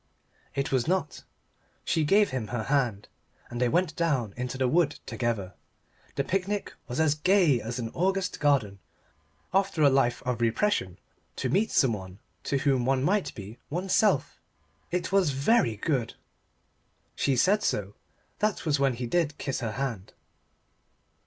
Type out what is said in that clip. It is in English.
It was not. She gave him her hand, and they went down into the wood together. The picnic was gay as an August garden. After a life of repression to meet someone to whom one might be oneself! It was very good. She said so. That was when he did kiss her hand.